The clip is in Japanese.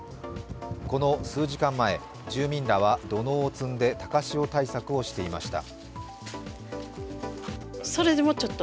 この数時間前、住民らはどのうを積んで高潮対策をしていました。